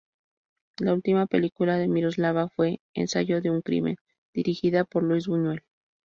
La última película de Miroslava fue "Ensayo de un crimen", dirigida por Luis Buñuel.